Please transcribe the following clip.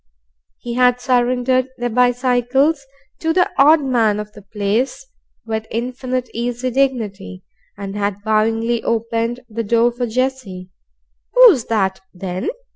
He had surrendered their bicycles to the odd man of the place with infinite easy dignity, and had bowingly opened the door for Jessie. "Who's that, then?"